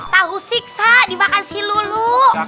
tahu siksa dimakan si lulu